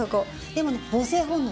でもね。